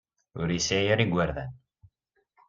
Ur yesɛi ara igerdan.